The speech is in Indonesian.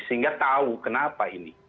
sehingga tahu kenapa ini